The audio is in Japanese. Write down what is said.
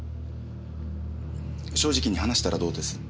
正直に話したらどうです？